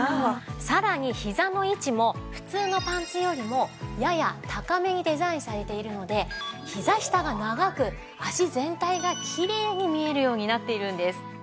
さらにひざの位置も普通のパンツよりもやや高めにデザインされているのでひざ下が長く脚全体がきれいに見えるようになっているんです。